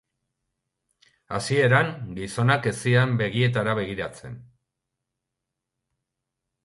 Hasieran, gizonak ez zidan begietara begiratzen.